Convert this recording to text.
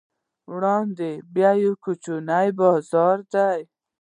وړاندې بیا یو کوچنی بازار دی.